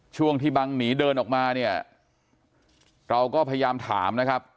ช่วงที่บังหนีเดินออกมาเนี่ยเราก็พยายามถามนะครับ